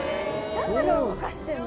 ダムが動かしてるの？